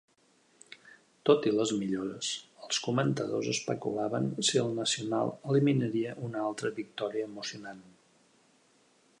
Tot i les millores, els comentadors especulaven si el Nacional eliminaria una altra victòria emocionant.